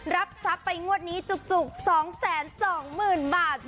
รับทรัพย์ไปงวดนี้จุก๒๒๐๐๐๐บาท